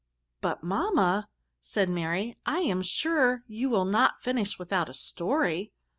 " But, mamma," said Mary, I am sure you will not finish without a story."